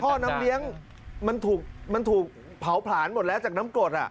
พ่อน้ำเลี้ยงมันถูกเผาผลาญหมดแล้วจากน้ำกรด